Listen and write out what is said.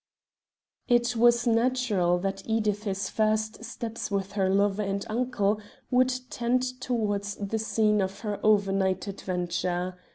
It was natural that Edith's first steps with her lover and uncle would tend towards the scene of her overnight adventure.